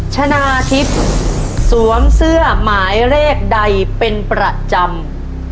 ชนะทิพย์สวมเสื้อหมายเลขใดเป็นประจำ